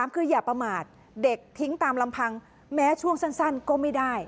คืออย่าประมาทเด็กทิ้งตามลำพังแม้ช่วงสั้นก็ไม่ได้